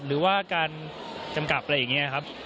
หรือว่าการกำกับอะไรอย่างนี้ครับ